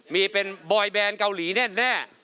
มีเป็นบอยแบนเกาหลีแน่